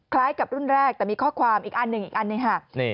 กับรุ่นแรกแต่มีข้อความอีกอันหนึ่งอีกอันหนึ่งค่ะ